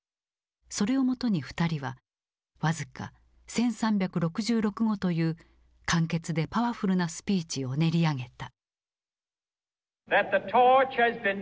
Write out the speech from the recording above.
それをもとに２人は僅か１，３６６語という簡潔でパワフルなスピーチを練り上げた。